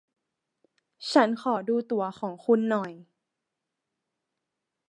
ขอฉันดูตั๋วของคุณหน่อย